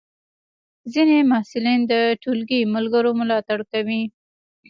ځینې محصلین د ټولګی ملګرو ملاتړ کوي.